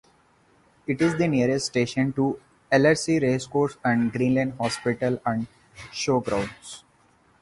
It is the nearest station to Ellerslie Racecourse and Greenlane Hospital and showgrounds.